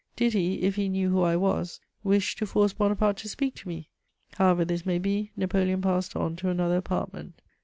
Did he, if he knew who I was, wish to force Bonaparte to speak to me? However this may be, Napoleon passed on to another apartment.